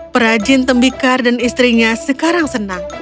perajin tembikar dan istrinya sekarang senang